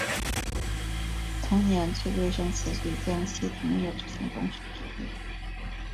同年崔贵生辞去江西铜业执行董事职务。